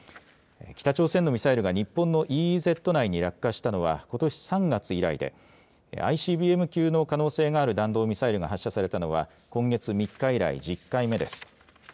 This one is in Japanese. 北朝鮮のミサイルが日本のＥＥＺ内に落下したのはことし３月以来でＩＣＢＭ級の可能性がある弾道ミサイルが発射されたのは今月３日以来、１０回目です。